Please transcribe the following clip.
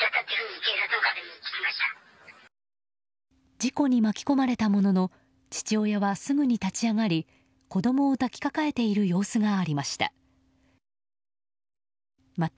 事故に巻き込まれたものの父親はすぐに立ち上がり子供を抱きかかえている様子がありました。